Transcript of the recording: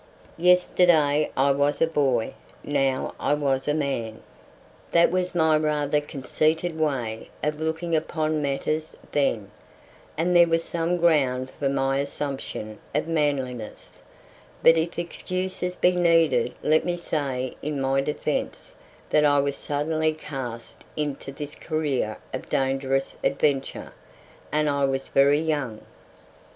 Yesterday I was a boy, now I was a man. That was my rather conceited way of looking upon matters then, and there was some ground for my assumption of manliness; but if excuse be needed let me say in my defence that I was suddenly cast into this career of dangerous adventure, and I was very young.